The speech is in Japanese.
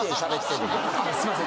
あすいません。